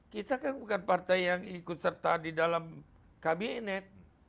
kita kan bukan partai yang ikut serta di dalam kabinet